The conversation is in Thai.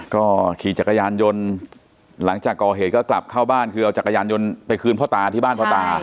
ก็ขี่จักรยานยนต์หลังจากก่อเหตุก็กลับเข้าบ้านคือเอาจักรยานยนต์ไปคืนพ่อตาที่บ้านพ่อตา